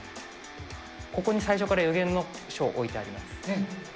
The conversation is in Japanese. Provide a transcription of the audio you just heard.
ここに最初から予言の書を置いてあります。